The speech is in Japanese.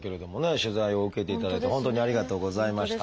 取材を受けていただいて本当にありがとうございました。